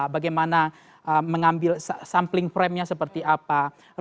bagaimana mengambil sampling frame nya seperti apa